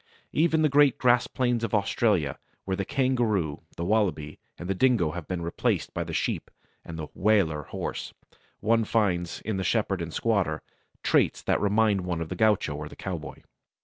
Even the great grass plains of Australia, where the kangaroo, the wallaby, and the dingo have been replaced by the sheep and the "Waler" horse, one finds, in the shepherd and squatter, traits that remind one of the gaucho or the cowboy.